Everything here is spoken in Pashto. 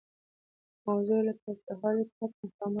موضوع یې له تاوتریخوالي پاک مقاومت دی.